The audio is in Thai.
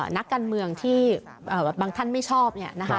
นักการเมืองที่บางท่านไม่ชอบเนี่ยนะคะ